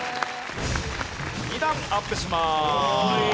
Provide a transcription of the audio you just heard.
２段アップします。